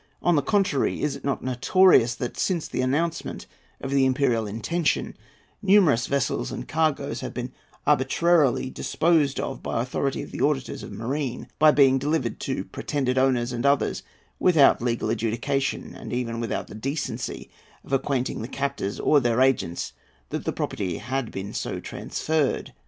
On the contrary, is it not notorious that, since the announcement of the imperial intention, numerous vessels and cargoes have been arbitrarily disposed of by authority of the auditors of marine, by being delivered to pretended owners and others without legal adjudication, and even without the decency of acquainting the captors or their agents that the property had been so transferred?